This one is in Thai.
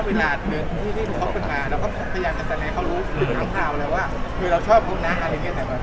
พยายามที่เขารู้ว่าเราชอบเพิ่มนักอัเรงี่